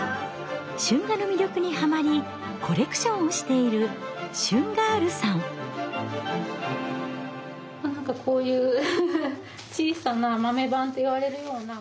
春画の魅力にハマりコレクションをしているこういう小さな豆判といわれるような。